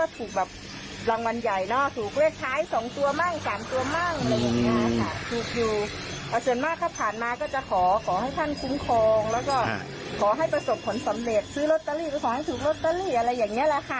พูดไปตามที่เราก็มันดีอะเนอะ